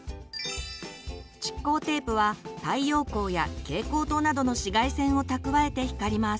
蓄光テープは太陽光や蛍光灯などの紫外線を蓄えて光ります。